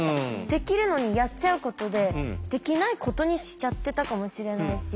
できるのにやっちゃうことでできないことにしちゃってたかもしれないし。